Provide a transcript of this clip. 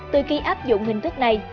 từ khi áp dụng hình thức này